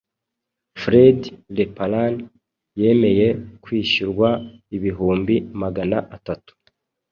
fred leparan yemeye kwishyurwa ibihumbi Magana atatu